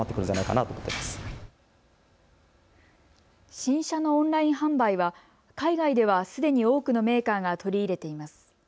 新車のオンライン販売は海外ではすでに多くのメーカーが取り入れています。